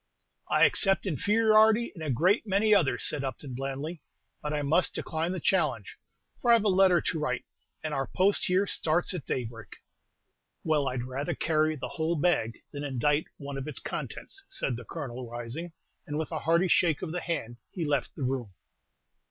"I accept inferiority in a great many others," said Upton, blandly; "but I must decline the challenge, for I have a letter to write, and our post here starts at daybreak." "Well, I'd rather carry the whole bag than indite one of its contents," said the Colonel, rising; and, with a hearty shake of the hand, he left the room.